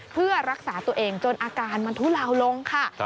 เพื่อรักษาตัวเองจนอาการมันทุเลาลงค่ะ